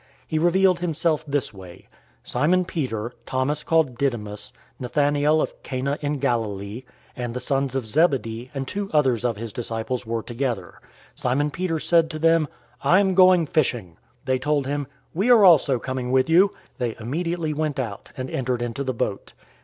He revealed himself this way. 021:002 Simon Peter, Thomas called Didymus, Nathanael of Cana in Galilee, and the sons of Zebedee, and two others of his disciples were together. 021:003 Simon Peter said to them, "I'm going fishing." They told him, "We are also coming with you." They immediately went out, and entered into the boat.